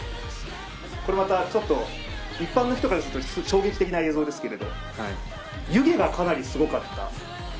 これまたちょっと一般の人からすると衝撃的な映像ですけれども、湯気がかなりすごかった。